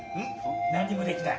何もできない。